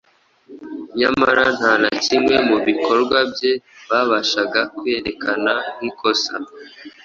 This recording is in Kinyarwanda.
nyamara nta na kimwe mu bikorwa bye babashaga kwerekana nk’ikosa.